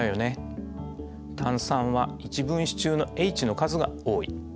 炭酸は１分子中のＨの数が多い。